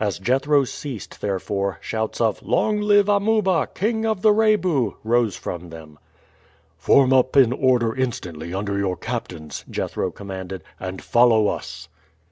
As Jethro ceased, therefore, shouts of "Long live Amuba, king of the Rebu!" rose from them. "Form up in order instantly under your captains," Jethro commanded, "and follow us."